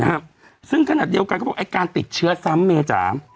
ครับซึ่งขนาดเดียวกันเขาบอกไอ้การติดเชื้อซ้ำเมจ๋า